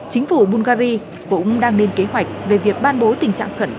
chính phủ bulgari cũng đang lên kế hoạch về việc ban bố tình trạng khẩn cấp tại nước này